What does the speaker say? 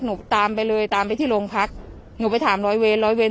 หนูตามไปเลยตามไปที่โรงพักหนูไปถามร้อยเว้น